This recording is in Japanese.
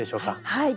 はい。